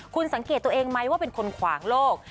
คุณสังเกตตัวเองไหมว่าเป็นคนขวางโลก